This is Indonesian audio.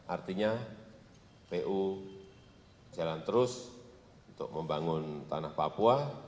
artinya pu jalan terus untuk membangun tanah papua